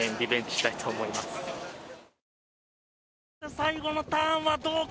最後のターンはどうか。